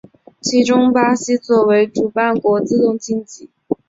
其中巴西作为主办国自动晋级。